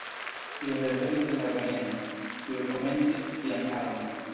Tio devenis de la veneno, kiu komencis sian agon.